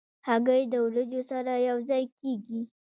هګۍ د وریجو سره یو ځای کېږي.